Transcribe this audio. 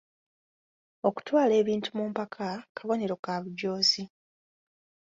Okutwala ebintu ku mpaka kabonero ka bujoozi.